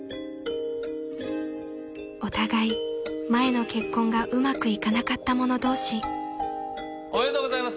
［お互い前の結婚がうまくいかなかった者同士］おめでとうございます。